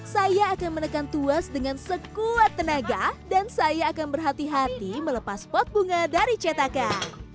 saya akan menekan tuas dengan sekuat tenaga dan saya akan berhati hati melepas pot bunga dari cetakan